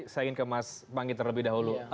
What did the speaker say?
saya ingin ke mas panggi terlebih dahulu